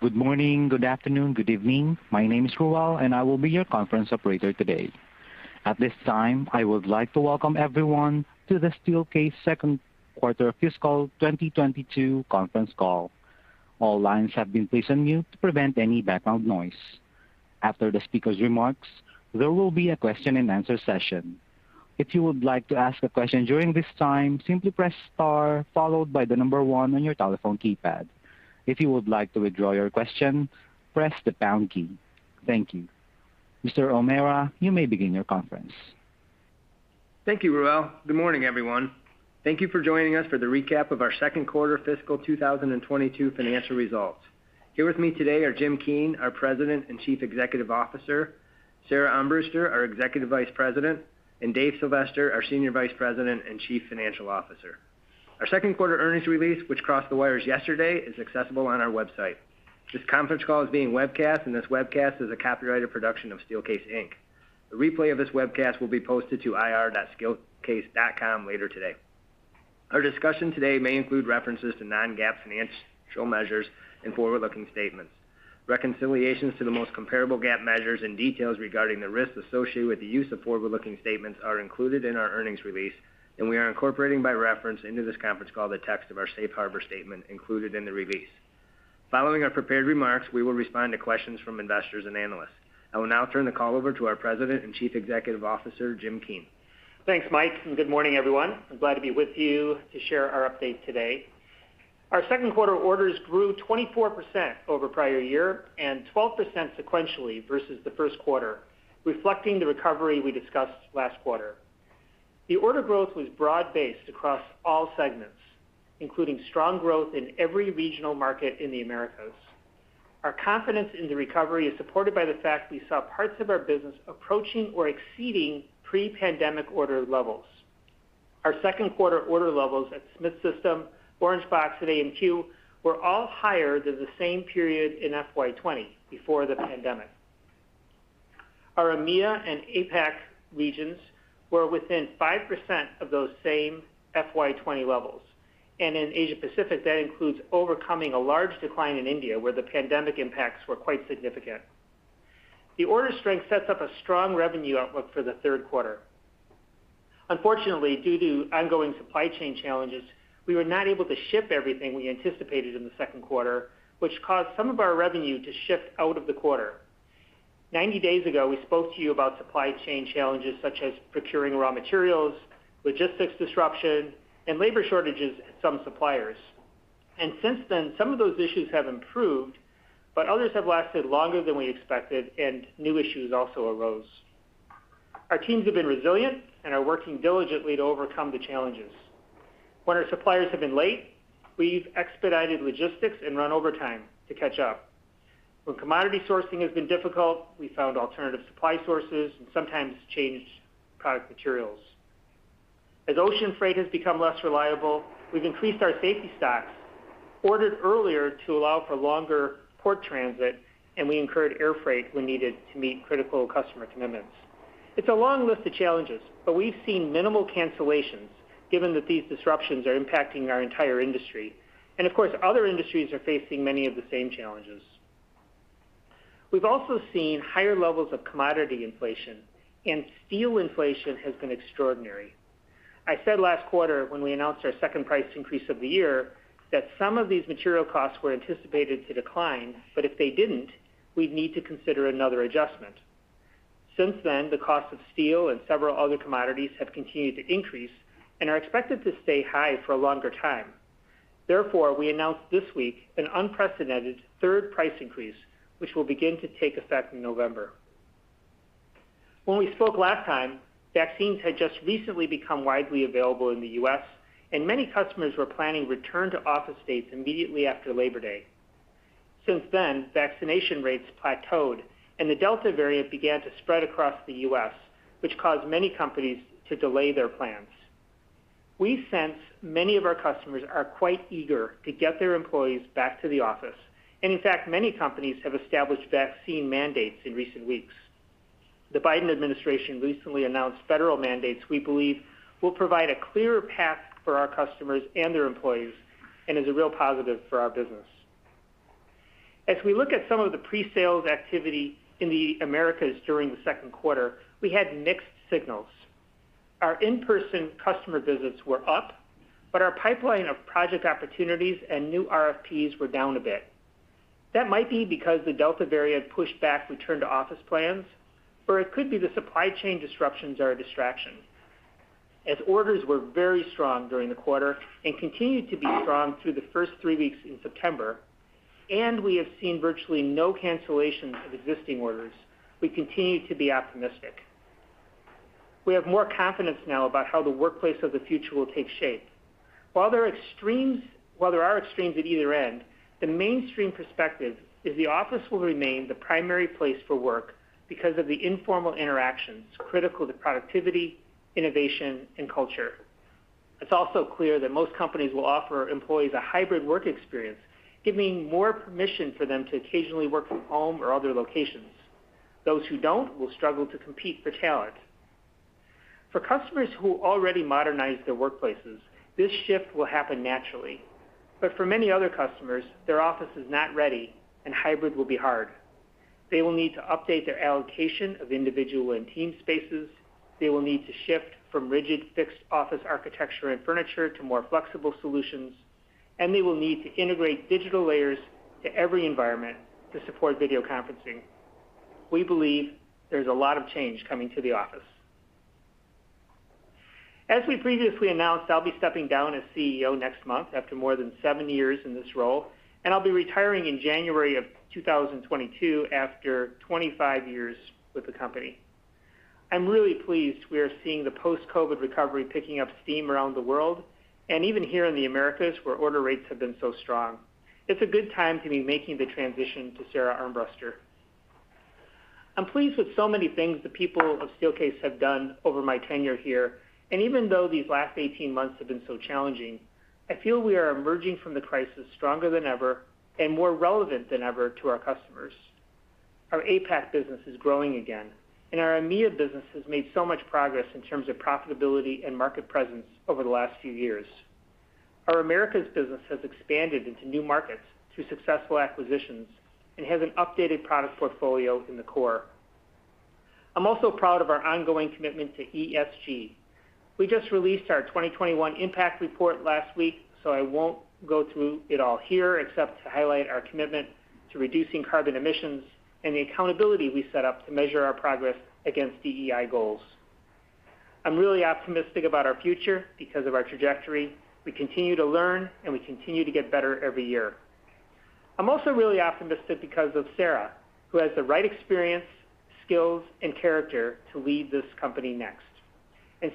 Good morning, good afternoon, good evening. My name is Rowell, and I will be your conference operator today. At this time, I would like to welcome everyone to the Steelcase Second Quarter Fiscal 2022 Conference Call. All lines have been placed on mute to prevent any background noise. After the speaker's remarks, there will be a question-and-answer session. If you would like to ask a question during this time, simply press star followed by the number one on your telephone keypad. If you would like to withdraw your question, press the pound key. Thank you. Mr. O'Meara, you may begin your conference. Thank you, Rowell. Good morning, everyone. Thank you for joining us for the recap of our Second Quarter Fiscal 2022 Financial Results. Here with me today are Jim Keane, our President and Chief Executive Officer, Sara Armbruster, our Executive Vice President, and Dave Sylvester, our Senior Vice President and Chief Financial Officer. Our second quarter earnings release, which crossed the wires yesterday, is accessible on our website. This conference call is being webcast, and this webcast is a copyrighted production of Steelcase Inc. The replay of this webcast will be posted to ir.steelcase.com later today. Our discussion today may include references to non-GAAP financial measures and forward-looking statements. Reconciliations to the most comparable GAAP measures and details regarding the risks associated with the use of forward-looking statements are included in our earnings release, and we are incorporating by reference into this conference call the text of our safe harbor statement included in the release. Following our prepared remarks, we will respond to questions from investors and analysts. I will now turn the call over to our President and Chief Executive Officer, Jim Keane. Thanks, Mike. Good morning, everyone. I'm glad to be with you to share our update today. Our second quarter orders grew 24% over prior year and 12% sequentially versus the first quarter, reflecting the recovery we discussed last quarter. The order growth was broad-based across all segments, including strong growth in every regional market in the Americas. Our confidence in the recovery is supported by the fact we saw parts of our business approaching or exceeding pre-pandemic order levels. Our second quarter order levels at Smith System, Orangebox, and AMQ were all higher than the same period in FY 2020, before the pandemic. Our EMEA and APAC regions were within 5% of those same FY 2020 levels. In Asia Pacific, that includes overcoming a large decline in India, where the pandemic impacts were quite significant. The order strength sets up a strong revenue outlook for the third quarter. Unfortunately, due to ongoing supply chain challenges, we were not able to ship everything we anticipated in the second quarter, which caused some of our revenue to shift out of the quarter. 90 days ago, we spoke to you about supply chain challenges such as procuring raw materials, logistics disruption, and labor shortages at some suppliers. Since then, some of those issues have improved, but others have lasted longer than we expected, and new issues also arose. Our teams have been resilient and are working diligently to overcome the challenges. When our suppliers have been late, we've expedited logistics and run overtime to catch up. When commodity sourcing has been difficult, we found alternative supply sources and sometimes changed product materials. As ocean freight has become less reliable, we've increased our safety stocks, ordered earlier to allow for longer port transit, and we incurred air freight when needed to meet critical customer commitments. It's a long list of challenges, but we've seen minimal cancellations given that these disruptions are impacting our entire industry. Of course, other industries are facing many of the same challenges. We've also seen higher levels of commodity inflation, and steel inflation has been extraordinary. I said last quarter when we announced our second price increase of the year that some of these material costs were anticipated to decline, but if they didn't, we'd need to consider another adjustment. Since then, the cost of steel and several other commodities have continued to increase and are expected to stay high for a longer time. Therefore, we announced this week an unprecedented third price increase, which will begin to take effect in November. When we spoke last time, vaccines had just recently become widely available in the U.S., and many customers were planning return-to-office dates immediately after Labor Day. Since then, vaccination rates plateaued, and the Delta variant began to spread across the U.S., which caused many companies to delay their plans. We sense many of our customers are quite eager to get their employees back to the office, and in fact, many companies have established vaccine mandates in recent weeks. The Biden administration recently announced federal mandates we believe will provide a clearer path for our customers and their employees and is a real positive for our business. As we look at some of the pre-sales activity in the Americas during the second quarter, we had mixed signals. Our in-person customer visits were up, but our pipeline of project opportunities and new RFPs were down a bit. That might be because the Delta variant pushed back return-to-office plans, or it could be the supply chain disruptions are a distraction. Orders were very strong during the quarter and continued to be strong through the first three weeks in September, and we have seen virtually no cancellations of existing orders, we continue to be optimistic. We have more confidence now about how the workplace of the future will take shape. While there are extremes at either end, the mainstream perspective is the office will remain the primary place for work because of the informal interactions critical to productivity, innovation, and culture. It's also clear that most companies will offer employees a hybrid work experience, giving more permission for them to occasionally work from home or other locations. Those who don't will struggle to compete for talent. For customers who already modernized their workplaces, this shift will happen naturally. For many other customers, their office is not ready and hybrid will be hard. They will need to update their allocation of individual and team spaces, they will need to shift from rigid fixed office architecture and furniture to more flexible solutions, and they will need to integrate digital layers to every environment to support video conferencing. We believe there's a lot of change coming to the office. As we previously announced, I'll be stepping down as CEO next month after more than seven years in this role, and I'll be retiring in January of 2022 after 25 years with the company. I'm really pleased we are seeing the post-COVID recovery picking up steam around the world, and even here in the Americas, where order rates have been so strong. It's a good time to be making the transition to Sara Armbruster. I'm pleased with so many things the people of Steelcase have done over my tenure here, and even though these last 18 months have been so challenging, I feel we are emerging from the crisis stronger than ever and more relevant than ever to our customers. Our APAC business is growing again, and our EMEA business has made so much progress in terms of profitability and market presence over the last few years. Our Americas business has expanded into new markets through successful acquisitions and has an updated product portfolio in the core. I'm also proud of our ongoing commitment to ESG. We just released our 2021 impact report last week, so I won't go through it all here except to highlight our commitment to reducing carbon emissions and the accountability we set up to measure our progress against DEI goals. I'm really optimistic about our future because of our trajectory. We continue to learn, and we continue to get better every year. I'm also really optimistic because of Sara, who has the right experience, skills, and character to lead this company next.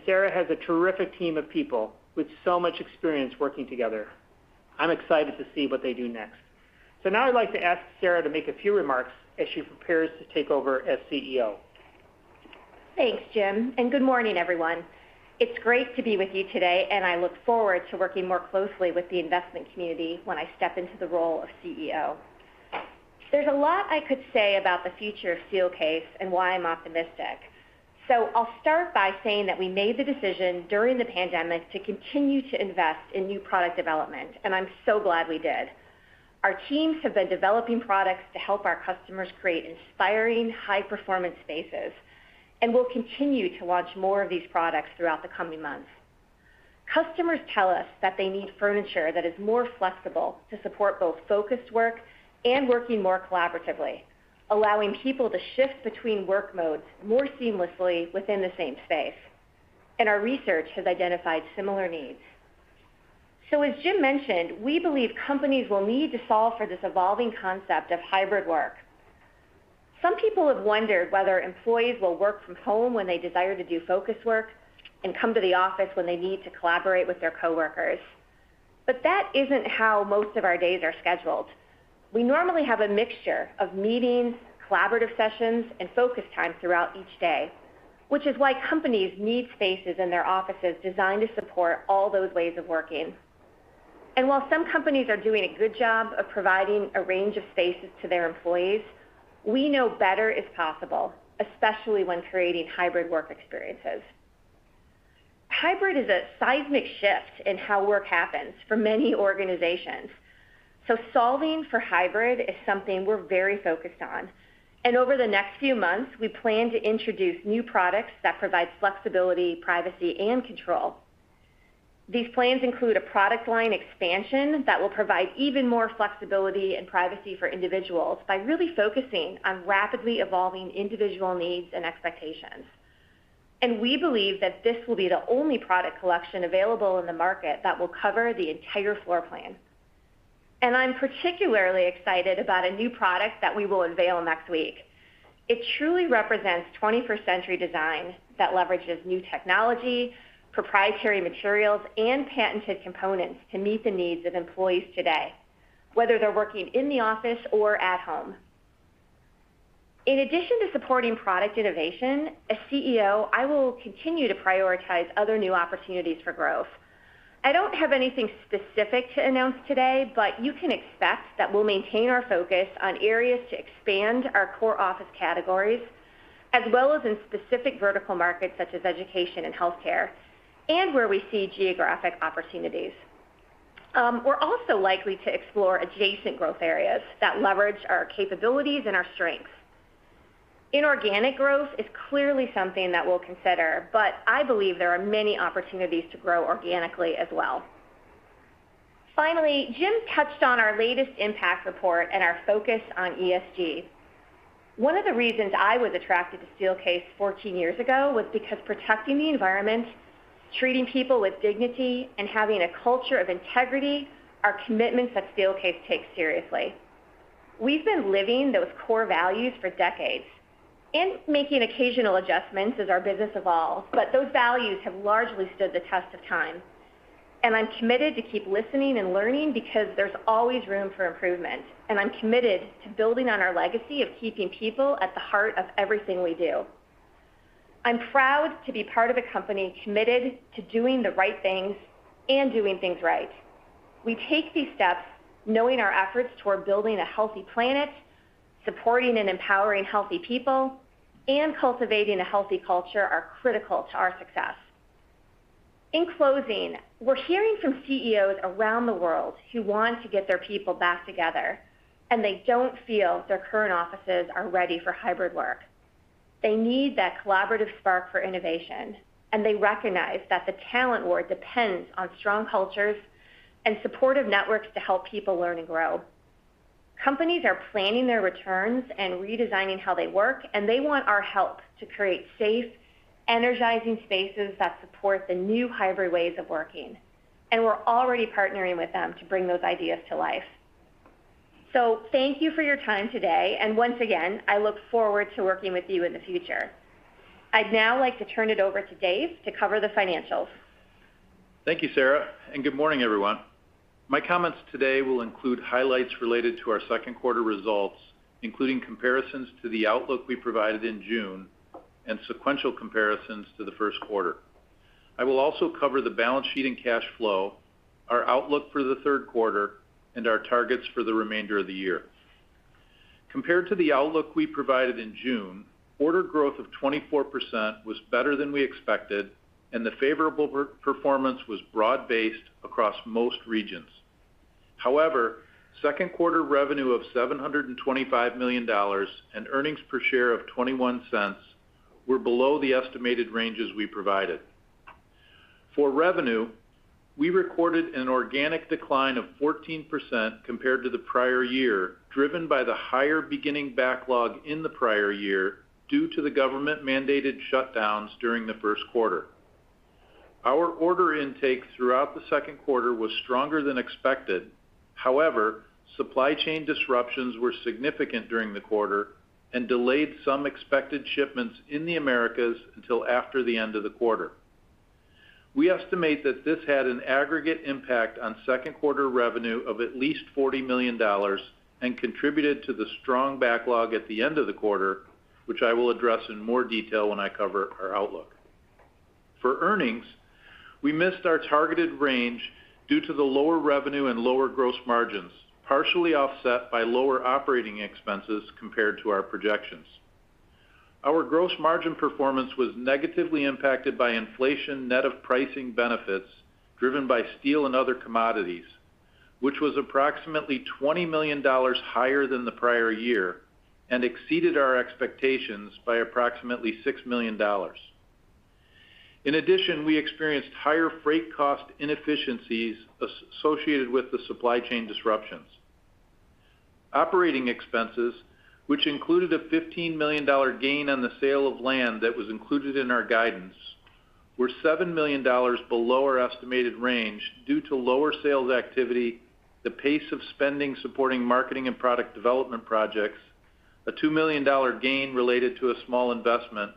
Sara has a terrific team of people with so much experience working together. I'm excited to see what they do next. Now I'd like to ask Sara to make a few remarks as she prepares to take over as CEO. Thanks, Jim, and good morning, everyone. It's great to be with you today, and I look forward to working more closely with the investment community when I step into the role of CEO. There's a lot I could say about the future of Steelcase and why I'm optimistic. I'll start by saying that we made the decision during the pandemic to continue to invest in new product development, and I'm so glad we did. Our teams have been developing products to help our customers create inspiring high-performance spaces, and we'll continue to launch more of these products throughout the coming months. Customers tell us that they need furniture that is more flexible to support both focused work and working more collaboratively, allowing people to shift between work modes more seamlessly within the same space. Our research has identified similar needs. As Jim mentioned, we believe companies will need to solve for this evolving concept of hybrid work. Some people have wondered whether employees will work from home when they desire to do focus work and come to the office when they need to collaborate with their coworkers. That isn't how most of our days are scheduled. We normally have a mixture of meetings, collaborative sessions, and focus time throughout each day, which is why companies need spaces in their offices designed to support all those ways of working. While some companies are doing a good job of providing a range of spaces to their employees, we know better is possible, especially when creating hybrid work experiences. Hybrid is a seismic shift in how work happens for many organizations, so solving for hybrid is something we're very focused on. Over the next few months, we plan to introduce new products that provide flexibility, privacy, and control. These plans include a product line expansion that will provide even more flexibility and privacy for individuals by really focusing on rapidly evolving individual needs and expectations. We believe that this will be the only product collection available in the market that will cover the entire floor plan. I'm particularly excited about a new product that we will unveil next week. It truly represents 21st century design that leverages new technology, proprietary materials, and patented components to meet the needs of employees today, whether they're working in the office or at home. In addition to supporting product innovation, as CEO, I will continue to prioritize other new opportunities for growth. I don't have anything specific to announce today, but you can expect that we'll maintain our focus on areas to expand our core office categories, as well as in specific vertical markets such as education and healthcare, and where we see geographic opportunities. We're also likely to explore adjacent growth areas that leverage our capabilities and our strengths. Inorganic growth is clearly something that we'll consider, but I believe there are many opportunities to grow organically as well. Finally, Jim touched on our latest impact report and our focus on ESG. One of the reasons I was attracted to Steelcase 14 years ago was because protecting the environment, treating people with dignity, and having a culture of integrity are commitments that Steelcase takes seriously. We've been living those core values for decades and making occasional adjustments as our business evolves, but those values have largely stood the test of time. I'm committed to keep listening and learning because there's always room for improvement, and I'm committed to building on our legacy of keeping people at the heart of everything we do. I'm proud to be part of a company committed to doing the right things and doing things right. We take these steps knowing our efforts toward building a healthy planet, supporting and empowering healthy people and cultivating a healthy culture are critical to our success. In closing, we're hearing from CEOs around the world who want to get their people back together, and they don't feel their current offices are ready for hybrid work. They need that collaborative spark for innovation, and they recognize that the talent war depends on strong cultures and supportive networks to help people learn and grow. Companies are planning their returns and redesigning how they work, and they want our help to create safe, energizing spaces that support the new hybrid ways of working. We're already partnering with them to bring those ideas to life. Thank you for your time today, and once again, I look forward to working with you in the future. I'd now like to turn it over to Dave to cover the financials. Thank you, Sara, Good morning, everyone. My comments today will include highlights related to our second quarter results, including comparisons to the outlook we provided in June and sequential comparisons to the first quarter. I will also cover the balance sheet and cash flow, our outlook for the third quarter, and our targets for the remainder of the year. Compared to the outlook we provided in June, order growth of 24% was better than we expected. The favorable performance was broad-based across most regions. However, second quarter revenue of $725 million and earnings per share of $0.21 were below the estimated ranges we provided. For revenue, we recorded an organic decline of 14% compared to the prior year, driven by the higher beginning backlog in the prior year due to the government-mandated shutdowns during the first quarter. Our order intake throughout the second quarter was stronger than expected. Supply chain disruptions were significant during the quarter and delayed some expected shipments in the Americas until after the end of the quarter. We estimate that this had an aggregate impact on second quarter revenue of at least $40 million and contributed to the strong backlog at the end of the quarter, which I will address in more detail when I cover our outlook. For earnings, we missed our targeted range due to the lower revenue and lower gross margins, partially offset by lower operating expenses compared to our projections. Our gross margin performance was negatively impacted by inflation net of pricing benefits driven by steel and other commodities, which was approximately $20 million higher than the prior year and exceeded our expectations by approximately $6 million. In addition, we experienced higher freight cost inefficiencies associated with the supply chain disruptions. Operating expenses, which included a $15 million gain on the sale of land that was included in our guidance, were $7 million below our estimated range due to lower sales activity, the pace of spending supporting marketing and product development projects, a $2 million gain related to a small investment,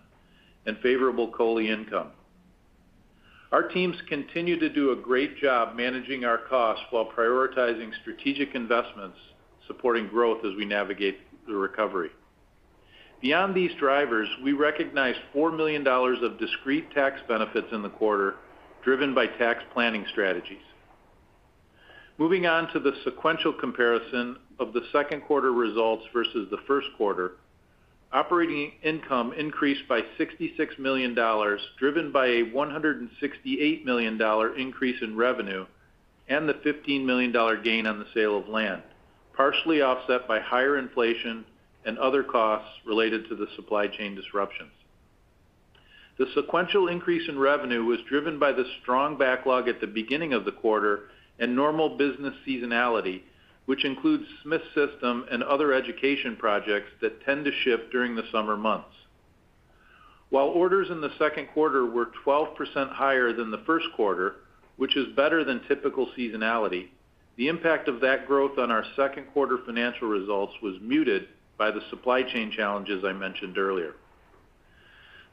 and favorable COLI income. Our teams continue to do a great job managing our costs while prioritizing strategic investments, supporting growth as we navigate the recovery. Beyond these drivers, we recognized $4 million of discrete tax benefits in the quarter, driven by tax planning strategies. Moving on to the sequential comparison of the second quarter results versus the first quarter. Operating income increased by $66 million, driven by a $168 million increase in revenue and the $15 million gain on the sale of land, partially offset by higher inflation and other costs related to the supply chain disruptions. The sequential increase in revenue was driven by the strong backlog at the beginning of the quarter and normal business seasonality, which includes Smith System and other education projects that tend to ship during the summer months. While orders in the second quarter were 12% higher than the first quarter, which is better than typical seasonality, the impact of that growth on our second quarter financial results was muted by the supply chain challenges I mentioned earlier.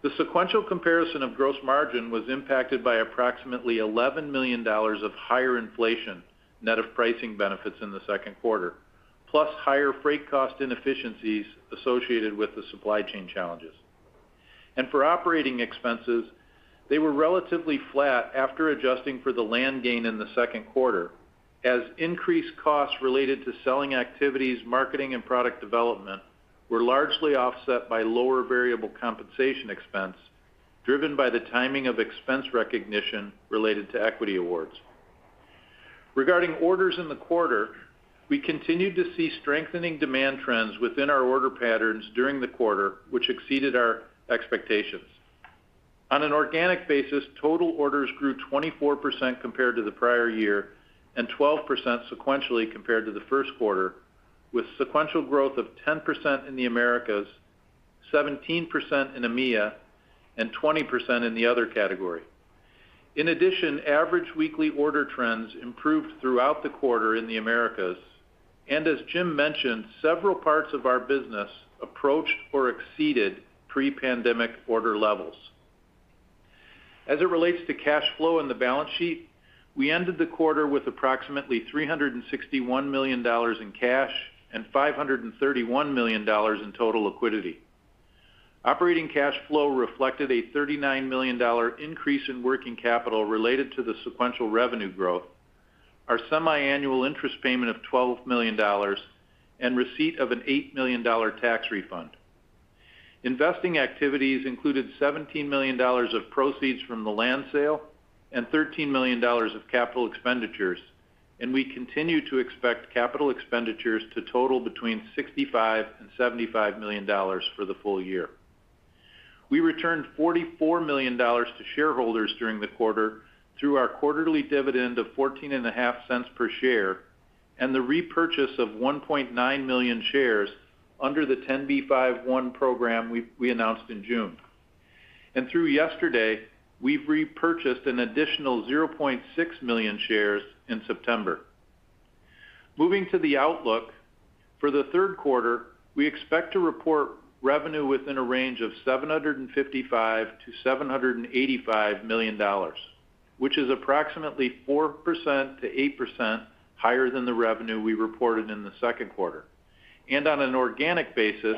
The sequential comparison of gross margin was impacted by approximately $11 million of higher inflation net of pricing benefits in the second quarter, plus higher freight cost inefficiencies associated with the supply chain challenges. For operating expenses, they were relatively flat after adjusting for the land gain in the second quarter, as increased costs related to selling activities, marketing, and product development were largely offset by lower variable compensation expense driven by the timing of expense recognition related to equity awards. Regarding orders in the quarter, we continued to see strengthening demand trends within our order patterns during the quarter, which exceeded our expectations. On an organic basis, total orders grew 24% compared to the prior year and 12% sequentially compared to the first quarter, with sequential growth of 10% in the Americas, 17% in EMEA, and 20% in the other category. In addition, average weekly order trends improved throughout the quarter in the Americas. As Jim mentioned, several parts of our business approached or exceeded pre-pandemic order levels. As it relates to cash flow in the balance sheet, we ended the quarter with approximately $361 million in cash and $531 million in total liquidity. Operating cash flow reflected a $39 million increase in working capital related to the sequential revenue growth, our semi-annual interest payment of $12 million, and receipt of an $8 million tax refund. Investing activities included $17 million of proceeds from the land sale and $13 million of capital expenditures. We continue to expect capital expenditures to total between $65 million and $75 million for the full year. We returned $44 million to shareholders during the quarter through our quarterly dividend of $0.145 per share and the repurchase of 1.9 million shares under the 10b5-1 program we announced in June. Through yesterday, we've repurchased an additional 0.6 million shares in September. Moving to the outlook. For the third quarter, we expect to report revenue within a range of $755 million-$785 million, which is approximately 4%-8% higher than the revenue we reported in the second quarter. On an organic basis,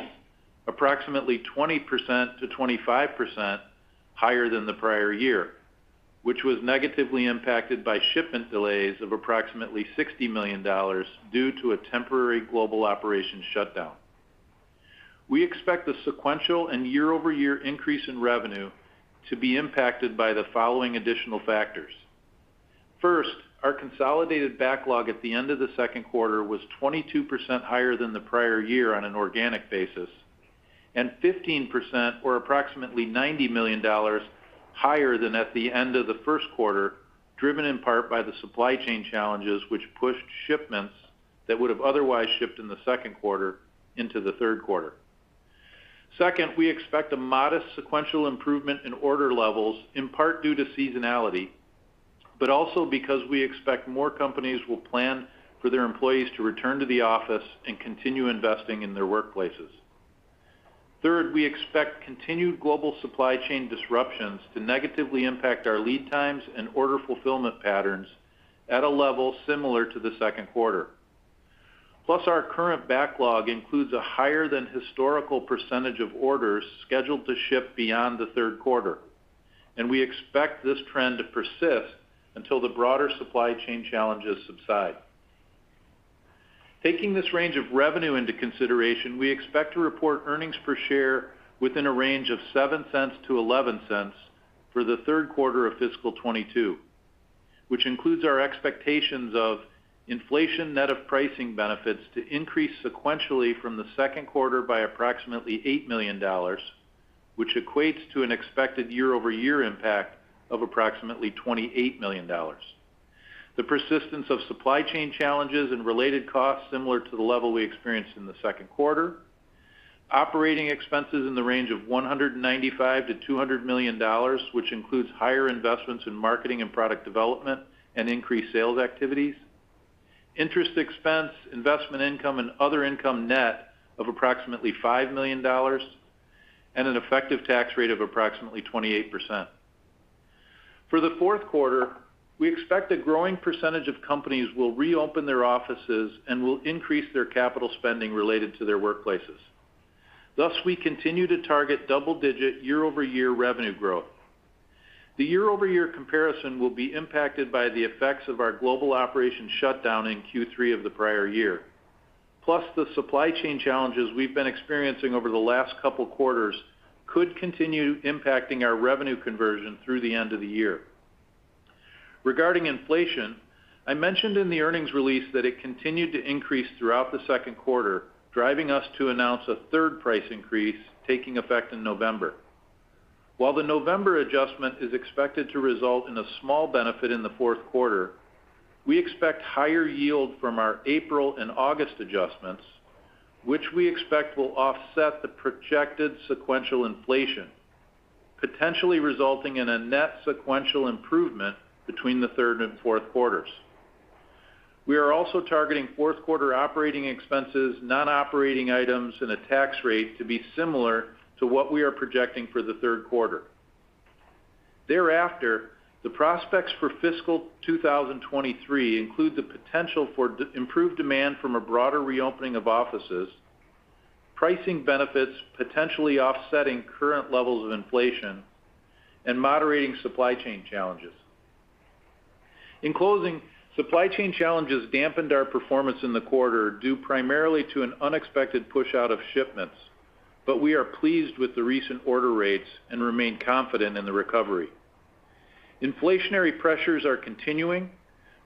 approximately 20%-25% higher than the prior year, which was negatively impacted by shipment delays of approximately $60 million due to a temporary global operation shutdown. We expect the sequential and year-over-year increase in revenue to be impacted by the following additional factors. First, our consolidated backlog at the end of the second quarter was 22% higher than the prior year on an organic basis, and 15%, or approximately $90 million, higher than at the end of the first quarter, driven in part by the supply chain challenges which pushed shipments that would have otherwise shipped in the second quarter into the third quarter. Second, we expect a modest sequential improvement in order levels, in part due to seasonality, but also because we expect more companies will plan for their employees to return to the office and continue investing in their workplaces. Third, we expect continued global supply chain disruptions to negatively impact our lead times and order fulfillment patterns at a level similar to the second quarter. Our current backlog includes a higher than historical percentage of orders scheduled to ship beyond the third quarter, and we expect this trend to persist until the broader supply chain challenges subside. Taking this range of revenue into consideration, we expect to report earnings per share within a range of $0.07-$0.11 for the third quarter of fiscal 2022, which includes our expectations of inflation net of pricing benefits to increase sequentially from the second quarter by approximately $8 million, which equates to an expected year-over-year impact of approximately $28 million. The persistence of supply chain challenges and related costs similar to the level we experienced in the second quarter. Operating expenses in the range of $195 million-$200 million, which includes higher investments in marketing and product development and increased sales activities. Interest expense, investment income, and other income net of approximately $5 million, and an effective tax rate of approximately 28%. For the fourth quarter, we expect a growing percentage of companies will reopen their offices and will increase their capital spending related to their workplaces. Thus, we continue to target double-digit year-over-year revenue growth. The year-over-year comparison will be impacted by the effects of our global operation shutdown in Q3 of the prior year. Plus, the supply chain challenges we've been experiencing over the last couple quarters could continue impacting our revenue conversion through the end of the year. Regarding inflation, I mentioned in the earnings release that it continued to increase throughout the second quarter, driving us to announce a third price increase taking effect in November. While the November adjustment is expected to result in a small benefit in the fourth quarter, we expect higher yield from our April and August adjustments, which we expect will offset the projected sequential inflation, potentially resulting in a net sequential improvement between the third and fourth quarters. We are also targeting fourth quarter operating expenses, non-operating items, and a tax rate to be similar to what we are projecting for the third quarter. Thereafter, the prospects for fiscal 2023 include the potential for improved demand from a broader reopening of offices, pricing benefits potentially offsetting current levels of inflation, and moderating supply chain challenges. In closing, supply chain challenges dampened our performance in the quarter, due primarily to an unexpected push out of shipments, but we are pleased with the recent order rates and remain confident in the recovery. Inflationary pressures are continuing,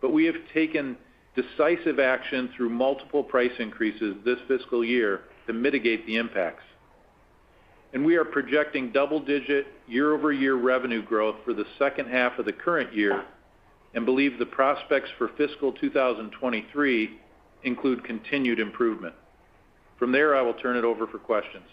but we have taken decisive action through multiple price increases this fiscal year to mitigate the impacts, and we are projecting double-digit year-over-year revenue growth for the second half of the current year and believe the prospects for fiscal 2023 include continued improvement. From there, I will turn it over for questions.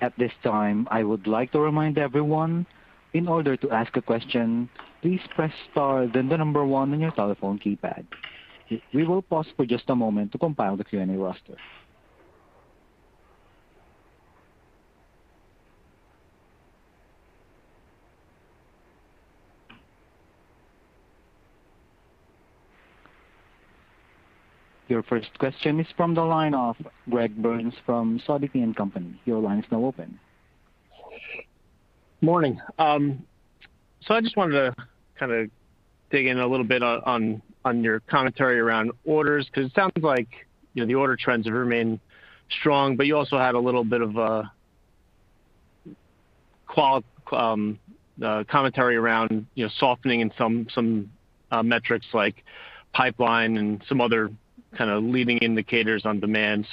At this time, I would like to remind everyone, in order to ask a question, please press star then the number one on your telephone keypad. We will pause for just a moment to compile the Q&A roster. Your first question is from the line of Greg Burns from Sidoti & Company. Your line is now open. Morning. I just wanted to dig in a little bit on your commentary around orders, because it sounds like the order trends have remained strong, but you also had a little bit of commentary around softening in some metrics like pipeline and some other leading indicators on demand.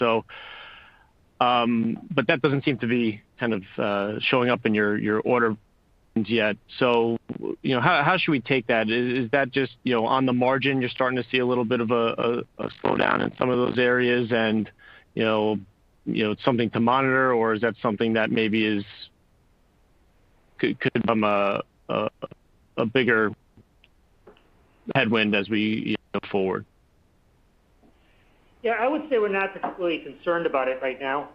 That doesn't seem to be showing up in your orders yet. How should we take that? Is that just on the margin, you're starting to see a little bit of a slowdown in some of those areas and it's something to monitor, or is that something that maybe could become a bigger headwind as we go forward? I would say we're not particularly concerned about it right now.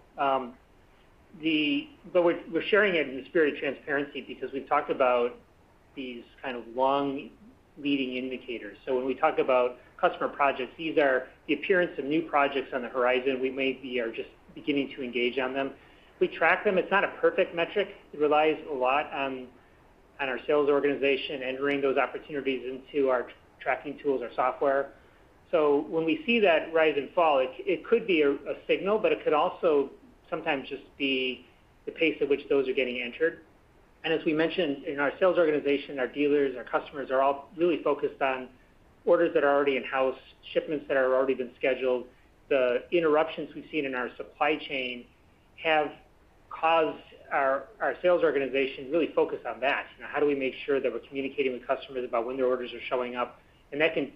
We're sharing it in the spirit of transparency because we've talked about these kind of long leading indicators. When we talk about customer projects, these are the appearance of new projects on the horizon. We maybe are just beginning to engage on them. We track them. It's not a perfect metric. It relies a lot on our sales organization entering those opportunities into our tracking tools, our software. When we see that rise and fall, it could be a signal, but it could also sometimes just be the pace at which those are getting entered. As we mentioned, in our sales organization, our dealers, our customers are all really focused on orders that are already in-house, shipments that have already been scheduled. The interruptions we've seen in our supply chain have caused our sales organization to really focus on that. How do we make sure that we're communicating with customers about when their orders are showing up? That can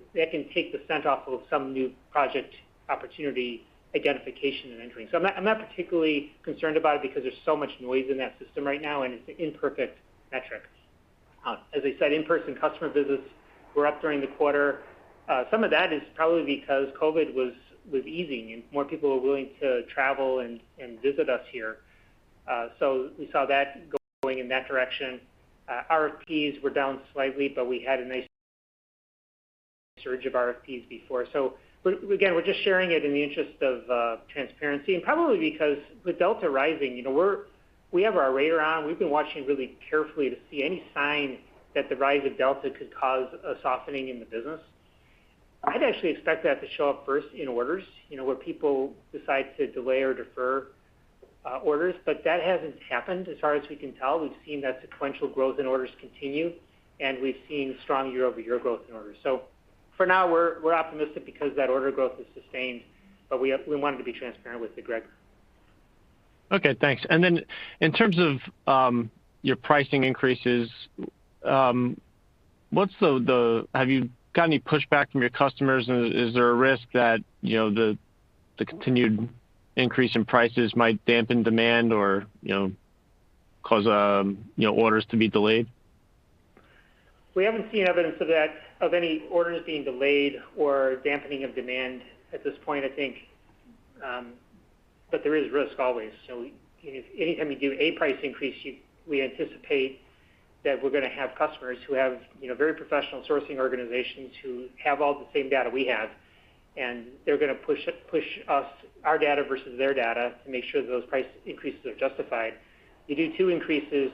take the scent off of some new project opportunity identification and entering. I'm not particularly concerned about it because there's so much noise in that system right now, and it's an imperfect metric. As I said, in-person customer visits were up during the quarter. Some of that is probably because COVID was easing and more people were willing to travel and visit us here. We saw that going in that direction. RFPs were down slightly, but we had a nice surge of RFPs before. Again, we're just sharing it in the interest of transparency and probably because with Delta rising, we have our radar on. We've been watching really carefully to see any sign that the rise of Delta could cause a softening in the business. I'd actually expect that to show up first in orders, where people decide to delay or defer orders. That hasn't happened as far as we can tell. We've seen that sequential growth in orders continue, and we've seen strong year-over-year growth in orders. For now, we're optimistic because that order growth is sustained, but we wanted to be transparent with you, Greg. Okay, thanks. Then in terms of your pricing increases, have you got any pushback from your customers? Is there a risk that the continued increase in prices might dampen demand or cause orders to be delayed? We haven't seen evidence of that, of any orders being delayed or dampening of demand at this point, I think. There is risk always. Anytime you do a price increase, we anticipate that we're going to have customers who have very professional sourcing organizations who have all the same data we have, and they're going to push us, our data versus their data, to make sure those price increases are justified. You do two increases,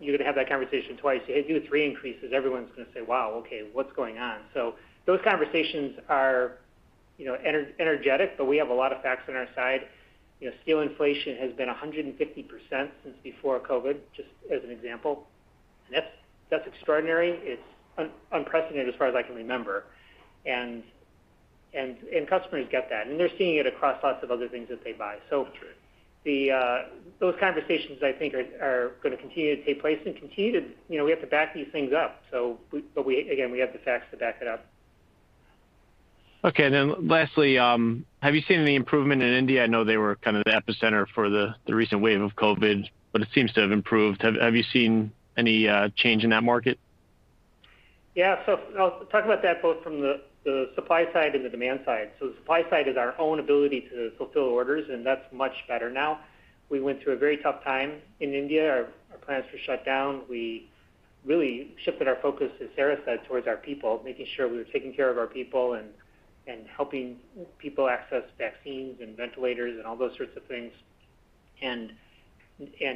you're going to have that conversation twice. You do three increases, everyone's going to say, "Wow, okay. What's going on?" Those conversations are energetic, but we have a lot of facts on our side. Steel inflation has been 150% since before COVID, just as an example. That's extraordinary. It's unprecedented as far as I can remember. Customers get that, and they're seeing it across lots of other things that they buy. Those conversations, I think, are going to continue to take place and continue. We have to back these things up. Again, we have the facts to back it up. Okay. Lastly, have you seen any improvement in India? I know they were kind of the epicenter for the recent wave of COVID, but it seems to have improved. Have you seen any change in that market? I'll talk about that both from the supply side and the demand side. The supply side is our own ability to fulfill orders, and that's much better now. We went through a very tough time in India. Our plants were shut down. We really shifted our focus, as Sara said, towards our people, making sure we were taking care of our people and helping people access vaccines and ventilators and all those sorts of things.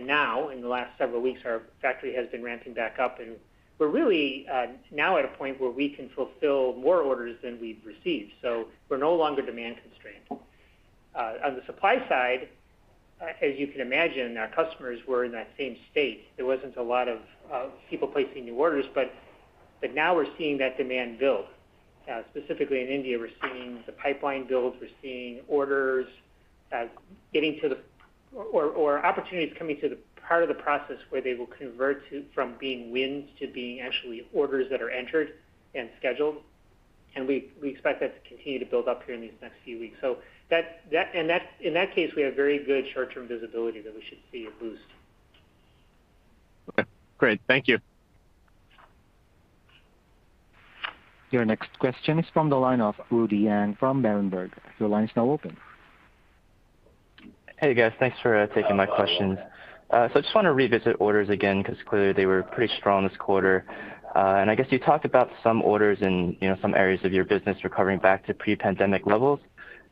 Now, in the last several weeks, our factory has been ramping back up, and we're really now at a point where we can fulfill more orders than we've received. We're no longer demand constrained. On the supply side, as you can imagine, our customers were in that same state. There wasn't a lot of people placing new orders, now we're seeing that demand build. Specifically in India, we're seeing the pipeline build. We're seeing opportunities coming to the part of the process where they will convert from being wins to being actually orders that are entered and scheduled. We expect that to continue to build up here in these next few weeks. In that case, we have very good short-term visibility that we should see a boost. Okay, great. Thank you. Your next question is from the line of Rudy Yang from Berenberg. Your line is now open. Hey guys, thanks for taking my questions. No problem. I just want to revisit orders again, because clearly they were pretty strong this quarter. I guess you talked about some orders in some areas of your business recovering back to pre-pandemic levels.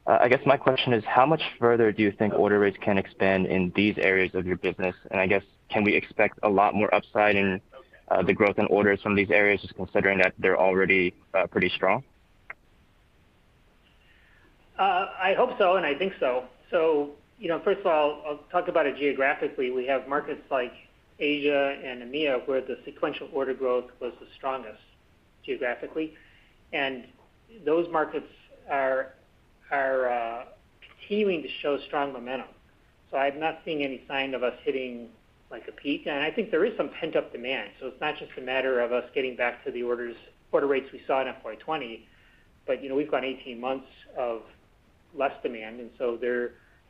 I guess my question is, how much further do you think order rates can expand in these areas of your business? I guess, can we expect a lot more upside in the growth in orders from these areas, just considering that they're already pretty strong? I hope so, and I think so. First of all, I'll talk about it geographically. We have markets like Asia and EMEA, where the sequential order growth was the strongest geographically. Those markets are continuing to show strong momentum. I'm not seeing any sign of us hitting a peak. I think there is some pent-up demand. It's not just a matter of us getting back to the orders quarter rates we saw in FY 2020, but we've gone 18 months of less demand, and so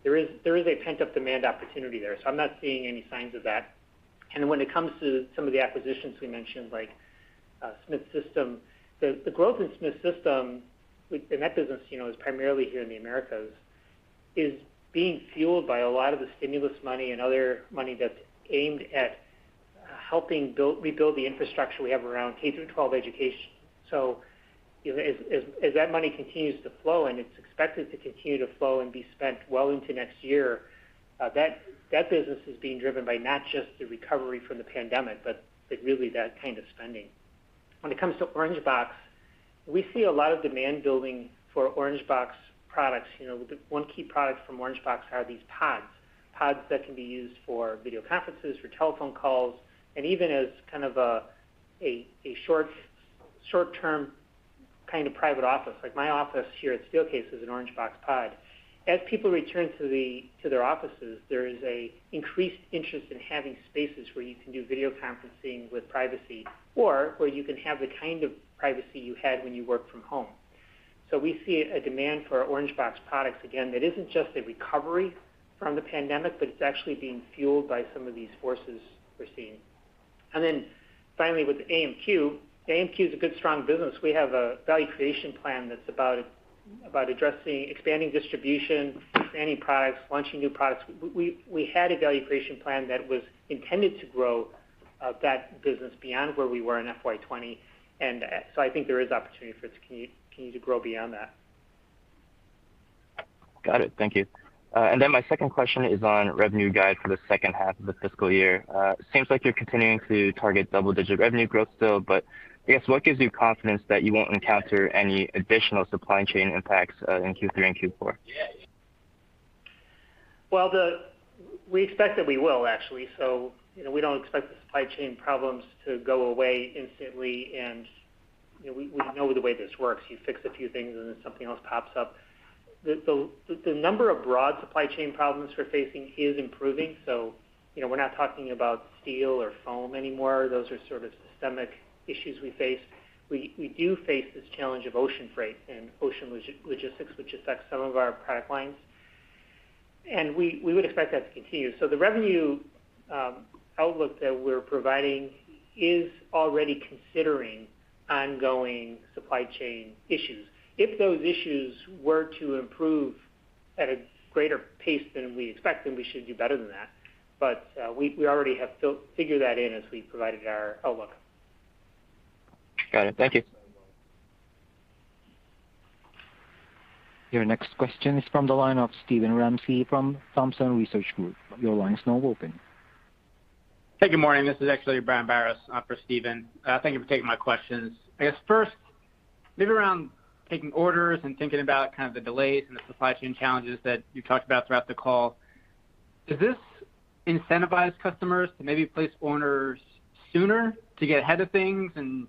there is a pent-up demand opportunity there. I'm not seeing any signs of that. When it comes to some of the acquisitions we mentioned, like Smith System, the growth in Smith System, and that business is primarily here in the Americas, is being fueled by a lot of the stimulus money and other money that's aimed at helping rebuild the infrastructure we have around K-12 education. As that money continues to flow, and it's expected to continue to flow and be spent well into next year, that business is being driven by not just the recovery from the pandemic, but really that kind of spending. When it comes to Orangebox, we see a lot of demand building for Orangebox products. One key product from Orangebox are these pods. Pods that can be used for video conferences, for telephone calls, and even as kind of a short-term private office. Like my office here at Steelcase is an Orangebox pod. As people return to their offices, there is an increased interest in having spaces where you can do video conferencing with privacy, or where you can have the kind of privacy you had when you worked from home. We see a demand for Orangebox products, again, that isn't just a recovery from the pandemic, but it's actually being fueled by some of these forces we're seeing. Finally, with AMQ is a good, strong business. We have a value creation plan that's about expanding distribution, expanding products, launching new products. We had a value creation plan that was intended to grow that business beyond where we were in FY 2020. I think there is opportunity for it to continue to grow beyond that. Got it. Thank you. My second question is on revenue guide for the second half of the fiscal year. It seems like you're continuing to target double-digit revenue growth still, but I guess, what gives you confidence that you won't encounter any additional supply chain impacts in Q3 and Q4? We expect that we will, actually. We don't expect the supply chain problems to go away instantly, and we know the way this works. You fix a few things, and then something else pops up. The number of broad supply chain problems we're facing is improving, we're not talking about steel or foam anymore. Those are sort of systemic issues we face. We do face this challenge of ocean freight and ocean logistics, which affects some of our product lines. We would expect that to continue. The revenue outlook that we're providing is already considering ongoing supply chain issues. If those issues were to improve at a greater pace than we expect, we should do better than that. We already have figured that in as we provided our outlook. Got it. Thank you. Your next question is from the line of Steven Ramsey from Thompson Research Group. Your line is now open. Hey, good morning. This is actually Brian Biros for Steven. Thank you for taking my questions. I guess first, maybe around taking orders and thinking about kind of the delays and the supply chain challenges that you talked about throughout the call. Does this incentivize customers to maybe place orders sooner to get ahead of things and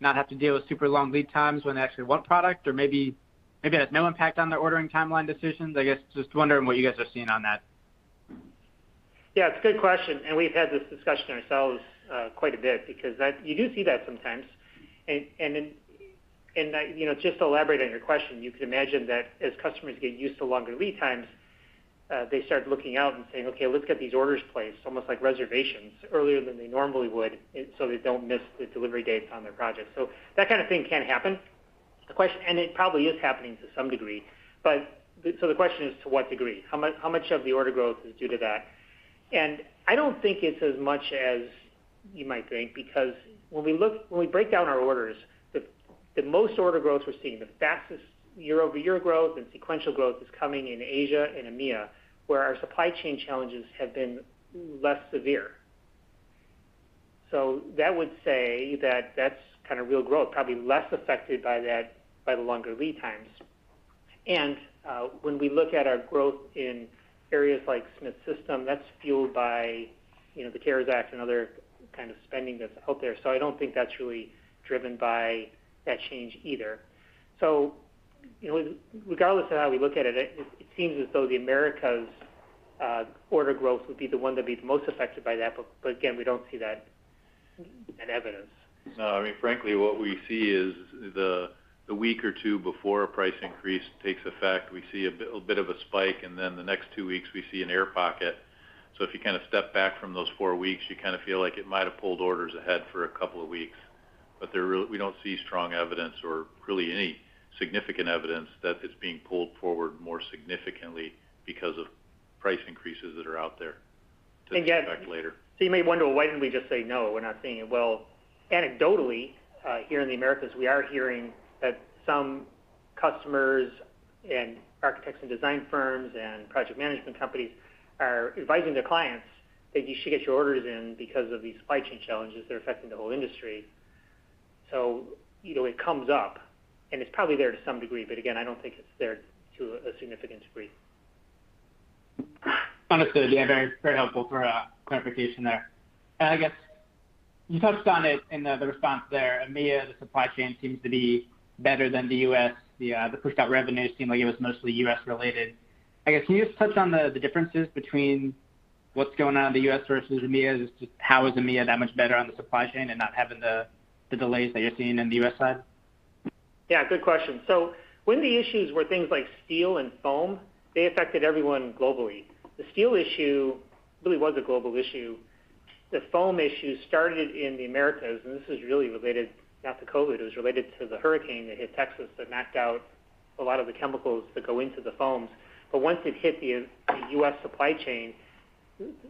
not have to deal with super long lead times when they actually want product? Maybe it has no impact on their ordering timeline decisions. I guess, just wondering what you guys are seeing on that. Yeah, it's a good question, and we've had this discussion ourselves quite a bit because you do see that sometimes. Just to elaborate on your question, you could imagine that as customers get used to longer lead times, they start looking out and saying, "Okay, let's get these orders placed," almost like reservations earlier than they normally would so they don't miss the delivery dates on their project. That kind of thing can happen. It probably is happening to some degree, but so the question is to what degree? How much of the order growth is due to that? I don't think it's as much as you might think because when we break down our orders, the most order growth we're seeing, the fastest year-over-year growth and sequential growth is coming in Asia and EMEA, where our supply chain challenges have been less severe. That would say that that's kind of real growth, probably less affected by the longer lead times. When we look at our growth in areas like Smith System, that's fueled by the CARES Act and other kind of spending that's out there. I don't think that's really driven by that change either. Regardless of how we look at it seems as though the Americas order growth would be the one to be most affected by that. Again, we don't see that in evidence. No, I mean, frankly, what we see is the week or two before a price increase takes effect, we see a bit of a spike, and then the next two weeks, we see an air pocket. If you kind of step back from those four weeks, you kind of feel like it might have pulled orders ahead for a couple of weeks. We don't see strong evidence or really any significant evidence that it's being pulled forward more significantly because of price increases that are out there to come back later. Again, so you may wonder, well, why didn't we just say no? We're not seeing it. Well, anecdotally, here in the Americas, we are hearing that some customers and architects and design firms and project management companies are advising their clients that you should get your orders in because of these supply chain challenges that are affecting the whole industry. It comes up, and it's probably there to some degree, but again, I don't think it's there to a significant degree. Understood. Yeah. Very helpful for clarification there. I guess you touched on it in the response there, EMEA, the supply chain seems to be better than the U.S. The pushed out revenues seem like it was mostly U.S. related. I guess, can you just touch on the differences between what's going on in the U.S. versus EMEA? Just how is EMEA that much better on the supply chain and not having the delays that you're seeing in the U.S. side? Yeah, good question. When the issues were things like steel and foam, they affected everyone globally. The steel issue really was a global issue. The foam issue started in the Americas, and this is really related not to COVID. It was related to the hurricane that hit Texas that knocked out a lot of the chemicals that go into the foams. Once it hit the U.S. supply chain,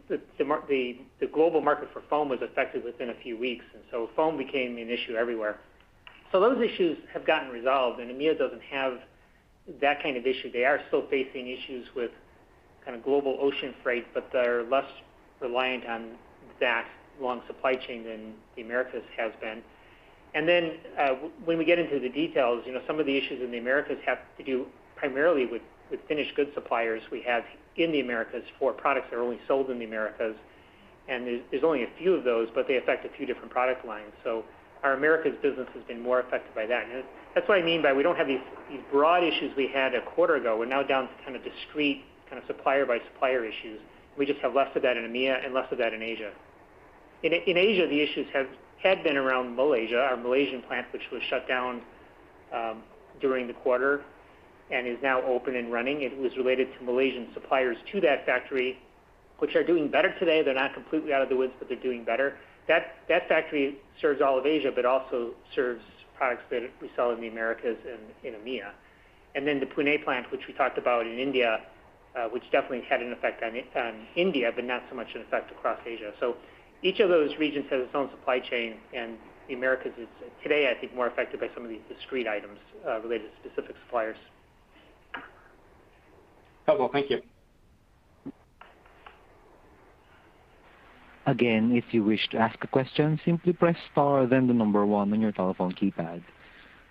the global market for foam was affected within a few weeks, and so foam became an issue everywhere. Those issues have gotten resolved, and EMEA doesn't have that kind of issue. They are still facing issues with kind of global ocean freight, but they're less reliant on that long supply chain than the Americas has been. Then, when we get into the details, some of the issues in the Americas have to do primarily with finished goods suppliers we have in the Americas for products that are only sold in the Americas. There's only a few of those, but they affect a few different product lines. Our Americas business has been more affected by that. That's what I mean by we don't have these broad issues we had a quarter ago. We're now down to kind of discrete supplier by supplier issues. We just have less of that in EMEA and less of that in Asia. In Asia, the issues had been around Malaysia. Our Malaysian plant, which was shut down during the quarter and is now open and running. It was related to Malaysian suppliers to that factory, which are doing better today. They're not completely out of the woods, but they're doing better. That factory serves all of Asia but also serves products that we sell in the Americas and in EMEA. The Pune plant, which we talked about in India, which definitely had an effect on India, but not so much an effect across Asia. Each of those regions has its own supply chain, and the Americas is today, I think, more affected by some of these discrete items related to specific suppliers. Helpful. Thank you. Again, if you wish to ask a question, simply press star, then the number one on your telephone keypad.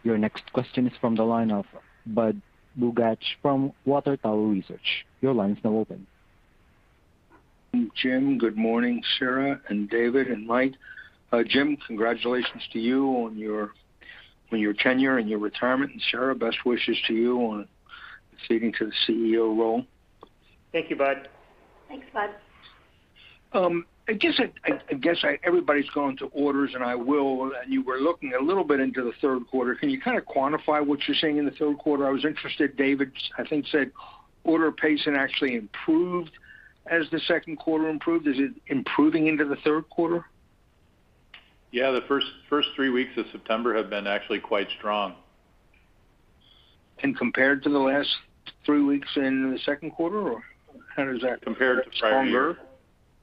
Your next question is from the line of Budd Bugatch from Water Tower Research. Your line's now open. Jim, good morning, Sara and Dave and Mike. Jim, congratulations to you on your tenure and your retirement. Sara, best wishes to you on succeeding to the CEO role. Thank you, Budd. Thanks, Budd. I guess everybody's gone to orders, I will. You were looking a little bit into the third quarter. Can you kind of quantify what you're seeing in the third quarter? I was interested, Dave, I think, said order pacing actually improved as the second quarter improved. Is it improving into the third quarter? Yeah. The first three weeks of September have been actually quite strong. Compared to the last three weeks in the second quarter, or how does- Compared to prior year. Stronger?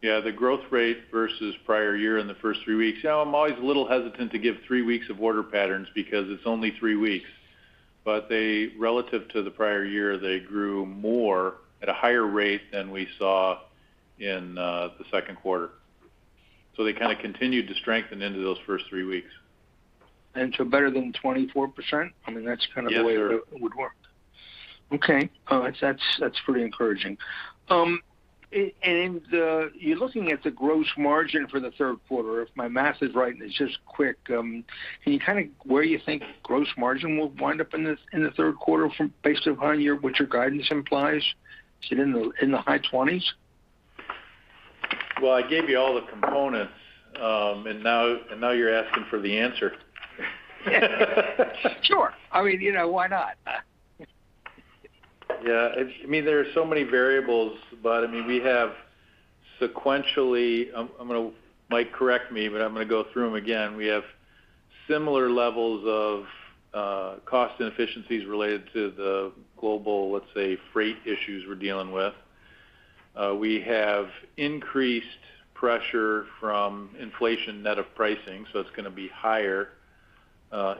Yeah, the growth rate versus prior year in the first three weeks. I'm always a little hesitant to give three weeks of order patterns because it's only three weeks. Relative to the prior year, they grew more at a higher rate than we saw in the second quarter. They kind of continued to strengthen into those first three weeks. Better than 24%? I mean. Yes. It would work. Okay. That's pretty encouraging. You're looking at the gross margin for the third quarter. If my math is right, and it's just quick, can you kind of where you think gross margin will wind up in the third quarter based upon what your guidance implies? Is it in the high 20%s? Well, I gave you all the components, and now you're asking for the answer. Sure. I mean, why not? Yeah. I mean, there are so many variables, Budd. I mean, we have sequentially Mike, correct me, but I'm going to go through them again. We have similar levels of cost inefficiencies related to the global, let's say, freight issues we're dealing with. We have increased pressure from inflation net of pricing, so it's going to be higher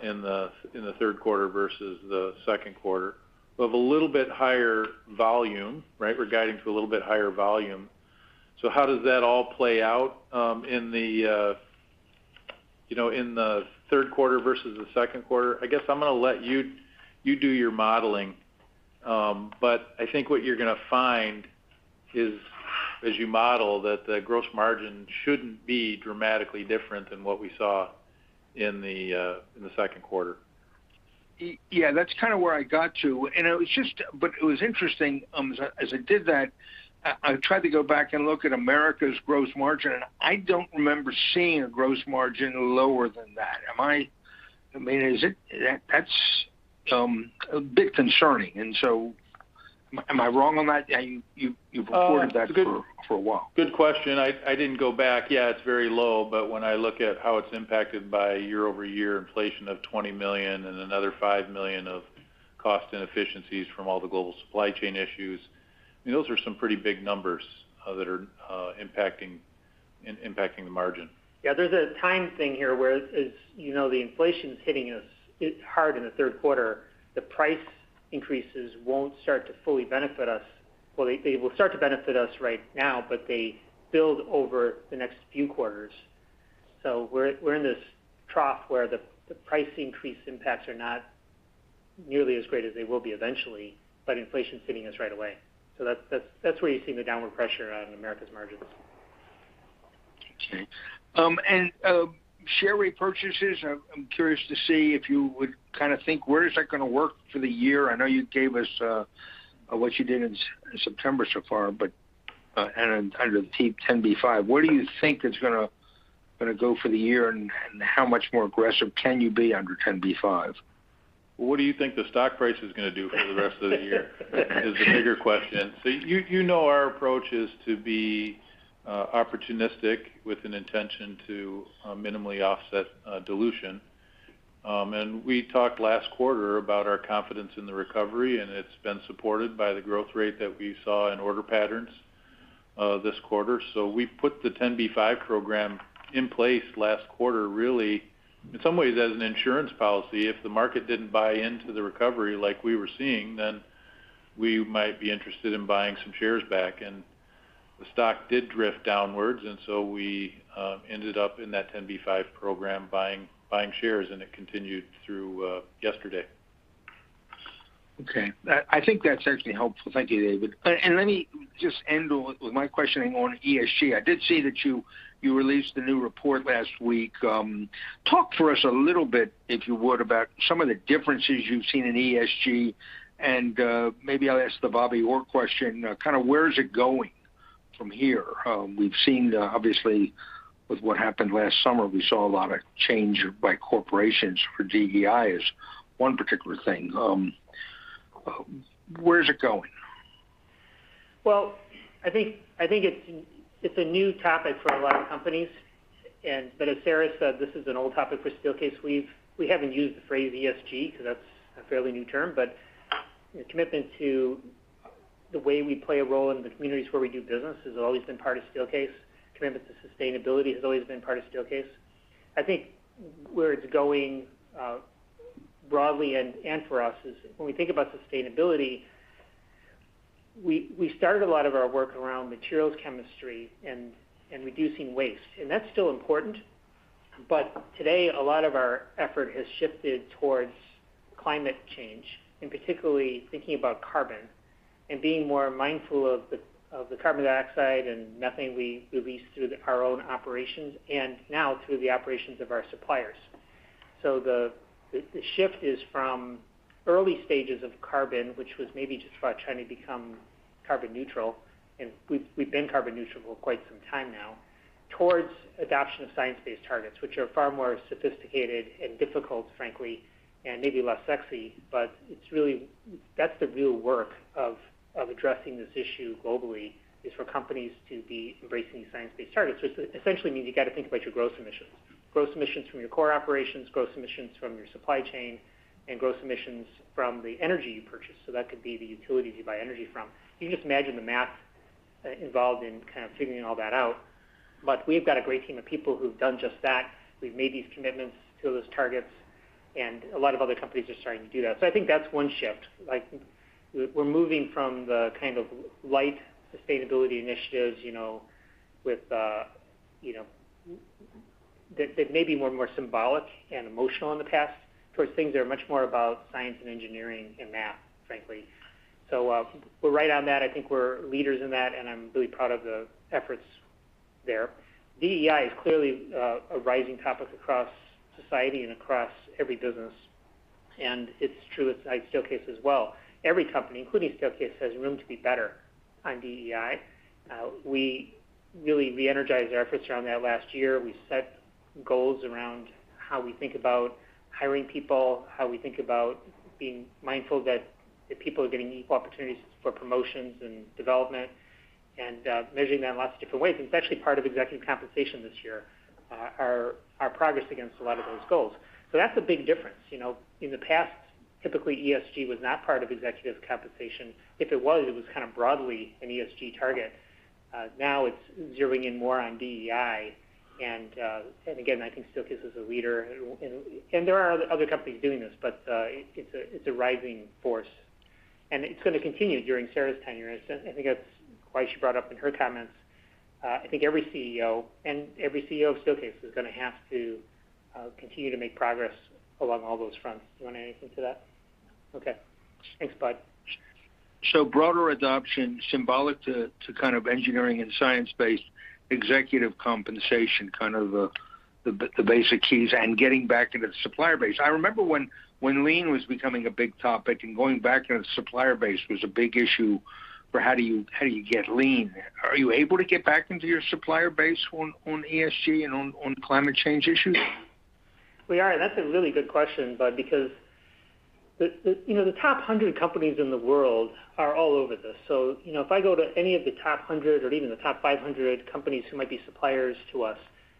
in the third quarter versus the second quarter. We have a little bit higher volume, right? We're guiding for a little bit higher volume. How does that all play out in the third quarter versus the second quarter? I guess I'm going to let you do your modeling. I think what you're going to find is as you model that the gross margin shouldn't be dramatically different than what we saw in the second quarter. Yeah, that's kind of where I got to. It was interesting as I did that, I tried to go back and look at Americas' gross margin, and I don't remember seeing a gross margin lower than that. I mean, that's a bit concerning. Am I wrong on that? You've reported that for a while. Good question. I didn't go back. Yeah, it's very low, but when I look at how it's impacted by year-over-year inflation of $20 million and another $5 million of cost inefficiencies from all the global supply chain issues, those are some pretty big numbers that are impacting the margin. Yeah, there's a time thing here where the inflation's hitting us hard in the third quarter. The price increases won't start to fully benefit us. Well, they will start to benefit us right now, but they build over the next few quarters. We're in this trough where the price increase impacts are not nearly as great as they will be eventually, but inflation's hitting us right away. That's where you're seeing the downward pressure on America's margins. Okay. Share repurchases, I'm curious to see if you would think where is that going to work for the year? I know you gave us what you did in September so far. Under the 10b-5, where do you think that's going to go for the year, and how much more aggressive can you be under 10b-5? What do you think the stock price is going to do for the rest of the year? Is the bigger question. You know our approach is to be opportunistic with an intention to minimally offset dilution. We talked last quarter about our confidence in the recovery, and it's been supported by the growth rate that we saw in order patterns this quarter. We put the 10b-5 program in place last quarter, really, in some ways, as an insurance policy. If the market didn't buy into the recovery like we were seeing, then we might be interested in buying some shares back. The stock did drift downwards, we ended up in that 10b-5 program buying shares, and it continued through yesterday. Okay. I think that's actually helpful. Thank you, Dave. Let me just end with my questioning on ESG. I did see that you released a new report last week. Talk to us a little bit, if you would, about some of the differences you've seen in ESG, and maybe I'll ask the Bobby Orr question, where is it going from here? We've seen, obviously, with what happened last summer, we saw a lot of change by corporations for DEI, one particular thing. Where's it going? I think it's a new topic for a lot of companies. As Sara said, this is an old topic for Steelcase. We haven't used the phrase ESG because that's a fairly new term, but the commitment to the way we play a role in the communities where we do business has always been part of Steelcase. Commitment to sustainability has always been part of Steelcase. I think where it's going, broadly and for us, is when we think about sustainability, we started a lot of our work around materials chemistry and reducing waste. That's still important, but today, a lot of our effort has shifted towards climate change, and particularly thinking about carbon and being more mindful of the carbon dioxide and methane we release through our own operations and now through the operations of our suppliers. The shift is from early stages of carbon, which was maybe just about trying to become carbon neutral, and we've been carbon neutral for quite some time now, towards adoption of science-based targets, which are far more sophisticated and difficult, frankly, and maybe less sexy, but that's the real work of addressing this issue globally, is for companies to be embracing these science-based targets, which essentially means you got to think about your gross emissions. Gross emissions from your core operations, gross emissions from your supply chain, and gross emissions from the energy you purchase. That could be the utilities you buy energy from. You can just imagine the math involved in kind of figuring all that out. We've got a great team of people who've done just that. We've made these commitments to those targets, and a lot of other companies are starting to do that. I think that's one shift. We're moving from the kind of light sustainability initiatives that may be more and more symbolic and emotional in the past, towards things that are much more about science and engineering and math, frankly. We're right on that. I think we're leaders in that, and I'm really proud of the efforts there. DEI is clearly a rising topic across society and across every business, and it's true inside Steelcase as well. Every company, including Steelcase, has room to be better on DEI. We really re-energized our efforts around that last year. We set goals around how we think about hiring people, how we think about being mindful that people are getting equal opportunities for promotions and development, and measuring that in lots of different ways. It's actually part of executive compensation this year, our progress against a lot of those goals. That's a big difference. In the past, typically, ESG was not part of executive compensation. If it was, it was kind of broadly an ESG target. Now it's zeroing in more on DEI, again, I think Steelcase is a leader. There are other companies doing this, but it's a rising force, and it's going to continue during Sara's tenure. I think that's why she brought up in her comments. I think every CEO, and every CEO of Steelcase, is going to have to continue to make progress along all those fronts. Do you want to add anything to that? Okay. Thanks, Budd. Broader adoption, symbolic to kind of engineering and science-based executive compensation, kind of the basic keys, and getting back into the supplier base. I remember when lean was becoming a big topic and going back into the supplier base was a big issue for how do you get lean. Are you able to get back into your supplier base on ESG and on climate change issues? We are, and that's a really good question, Budd. The top 100 companies in the world are all over this. If I go to any of the top 100 or even the top 500 companies who might be suppliers to us,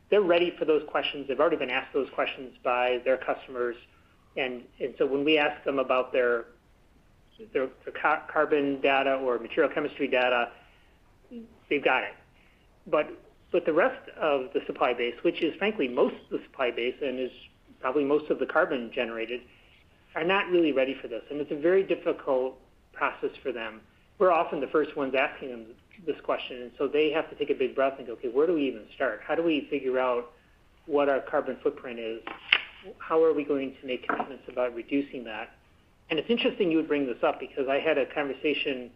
they're ready for those questions. They've already been asked those questions by their customers. When we ask them about their carbon data or material chemistry data, they've got it. The rest of the supply base, which is frankly most of the supply base and is probably most of the carbon generated, are not really ready for this. It's a very difficult process for them. We're often the first ones asking them this question, and so they have to take a big breath and go, "Okay, where do we even start? How do we figure out what our carbon footprint is? How are we going to make commitments about reducing that? It's interesting you would bring this up because I had a conversation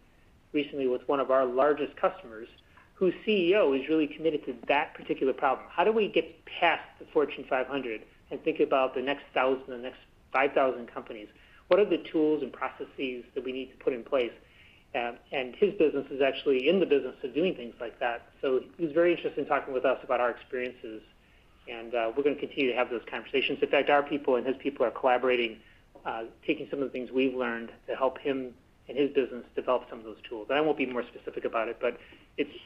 recently with one of our largest customers whose CEO is really committed to that particular problem. How do we get past the Fortune 500 and think about the next 1,000, the next 5,000 companies? What are the tools and processes that we need to put in place? His business is actually in the business of doing things like that. He was very interested in talking with us about our experiences, and we're going to continue to have those conversations. In fact, our people and his people are collaborating, taking some of the things we've learned to help him and his business develop some of those tools. I won't be more specific about it, but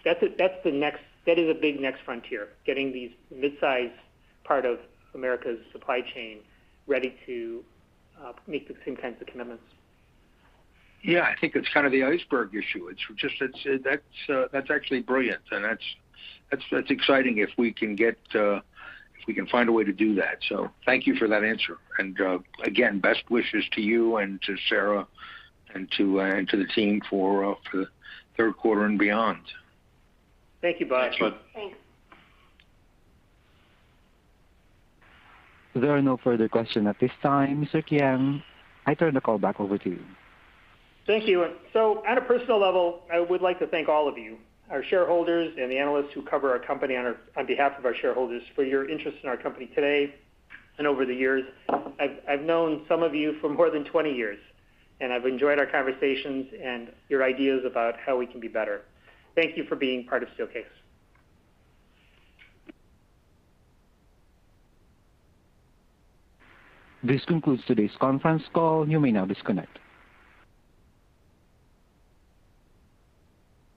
that is a big next frontier, getting this midsize part of America's supply chain ready to make the same kinds of commitments. Yeah. I think it's kind of the iceberg issue. That's actually brilliant, and that's exciting if we can find a way to do that. Thank you for that answer. Again, best wishes to you and to Sara and to the team for the third quarter and beyond. Thank you, Budd. Thanks, Budd. Thanks. There are no further questions at this time. Mr. Keane, I turn the call back over to you. Thank you. On a personal level, I would like to thank all of you, our shareholders and the analysts who cover our company on behalf of our shareholders, for your interest in our company today and over the years. I've known some of you for more than 20 years, and I've enjoyed our conversations and your ideas about how we can be better. Thank you for being part of Steelcase. This concludes today's conference call. You may now disconnect.